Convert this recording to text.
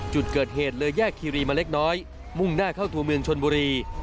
จุดเกิดเหตุเลยแยกคีรีมาเล็กน้อยมุ่งหน้าเข้าตัวเมืองชนบุรี